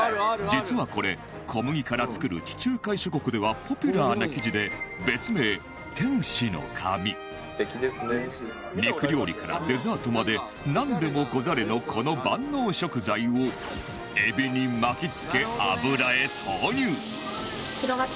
実はこれ小麦から作る地中海諸国ではポピュラーな生地で別名「天使の髪」肉料理からデザートまでなんでもござれのこの万能食材をエビに巻きつけ油へ投入！